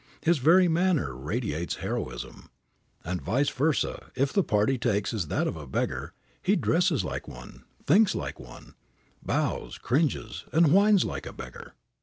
His very manner radiates heroism. And vice versa, if the part he takes is that of a beggar, he dresses like one, thinks like one, bows, cringes and whines like a beggar.